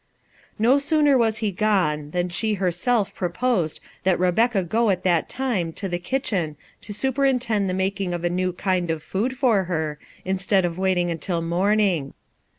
No sooner was he gone than she herself pro posed that Rebecca go at that time to the kitchen to superintend the making of a new kind of food for her, instead of wailing until morning.